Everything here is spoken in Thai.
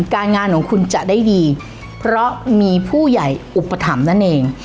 การงานของคุณจะได้ดีเพราะมีผู้ใหญ่อุปถัมภ์นั่นเอง